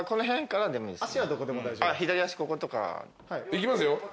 いきますよ。